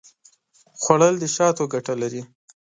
خوړل د شاتو ګټه لري